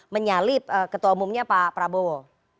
menyalip ketua umumnya pak prabowo